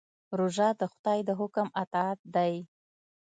روژه د خدای د حکم اطاعت دی.